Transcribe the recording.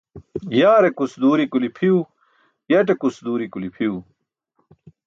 Yaarekus duuri kuli phiyu yatekus duuri kuli phiy